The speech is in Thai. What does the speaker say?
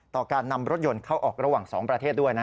ต่อการนำรถยนต์เข้าออกระหว่าง๒ประเทศด้วย